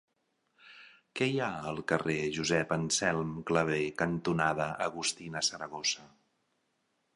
Què hi ha al carrer Josep Anselm Clavé cantonada Agustina Saragossa?